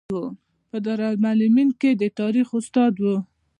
په دارالمعلمین کې د تاریخ استاد و.